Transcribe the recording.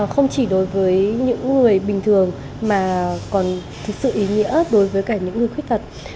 không chỉ đối với những người bình thường mà còn thực sự ý nghĩa đối với cả những người khuyết tật